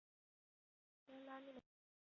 拉拉涅蒙泰格兰人口变化图示